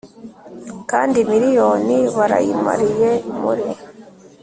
kandi miriyoni barayimariye muri